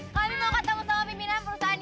kami mau ketemu sama pimpinan perusahaan